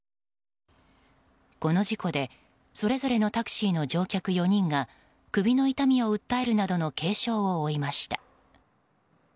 この事故でそれぞれのタクシーの乗客４人が首の痛みを訴えるなどの軽傷を負いました。